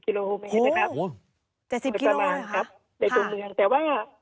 เจสสิบค่ะประมาณครับในตัวเมืองแต่ว่า